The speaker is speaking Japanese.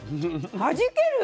はじける！ね。